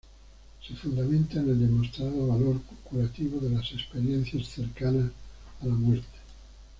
Se fundamenta en el demostrado valor curativo de las Experiencias cercanas a la muerte.